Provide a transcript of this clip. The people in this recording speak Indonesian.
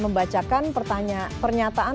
membacakan pertanyaan pernyataan